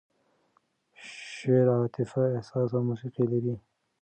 شعر عاطفه، احساس او موسیقي لري.